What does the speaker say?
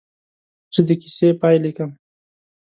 زه د کیسې پاې لیکم.